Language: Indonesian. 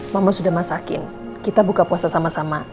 mama sudah masakin kita buka puasa sama sama